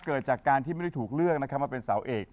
เกิดจากการที่ไม่ได้ถูกเลือกมาเป็นสาวเอก